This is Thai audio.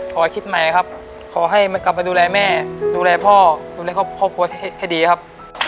ขอคิดใหม่ครับขอให้มันกลับไปดูแลแม่ดูแลพ่อดูแลครอบครัวให้ดีครับ